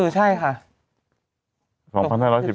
เออใช่ค่ะ